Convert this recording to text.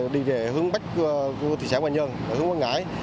đi về hướng bách của thị xã hoài nhơn hướng quang ngãi